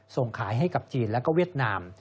ส่งขายให้กับจีนและเวียดนาม